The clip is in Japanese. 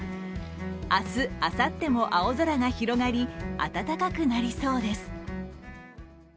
明日、あさっても青空が広がり暖かくなりそうです。